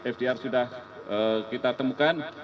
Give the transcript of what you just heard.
fdr sudah kita temukan